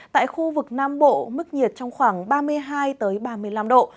tại khu vực nam bộ mức nhiệt trong khoảng ba mươi hai ba mươi năm độ